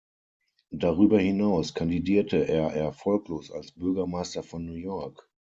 Darüber hinaus kandidierte er erfolglos als Bürgermeister von New York.